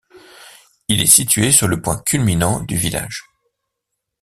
Il est situé sur le point culminant du village.